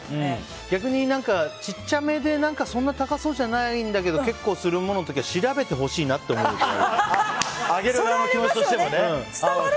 逆にちっちゃめでそんなに高そうじゃないんだけど結構するものの時は調べてほしいなって伝わるかな、これみたいな。